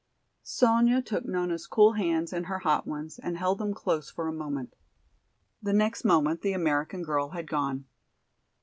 Sonya took Nona's cool hands in her hot ones and held them close for a moment. The next moment the American girl had gone.